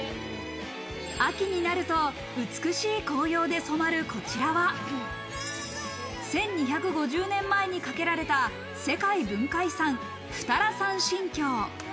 秋になると美しい紅葉で染まるこちらは、１２５０年前に架けられた世界文化遺産・二荒山神橋。